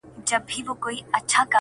چا چي سوځولي زموږ د کلیو خړ کورونه دي!!